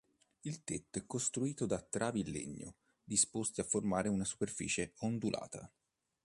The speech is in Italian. Il tetto è costituito da travi in legno, disposti a formare una superficie ondulata.